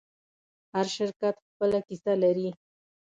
هر شرکت خپله کیسه لري.